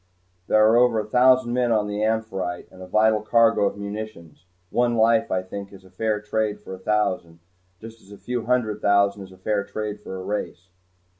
"There are over a thousand men on the 'Amphitrite,' and a vital cargo of munitions. One life, I think, is fair trade for a thousand, just as a few hundred thousand is fair trade for a race."